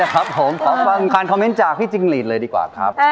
ขอบค้างคอมเม้นท์จากพี่จิงรีทเลยดีกว่าครับ